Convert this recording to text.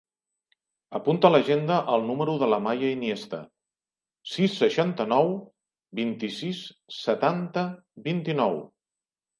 Apunta a l'agenda el número de l'Amaya Iniesta: sis, seixanta-nou, vint-i-sis, setanta, vint-i-nou.